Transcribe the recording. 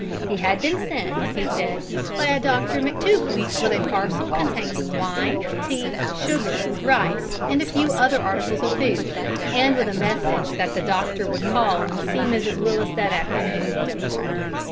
He had been sent, he said, by a Dr McTougall with a parcel containing wine, tea, sugar, rice, and a few other articles of food, and with a message that the doctor would call and see Mrs Willis that afternoon.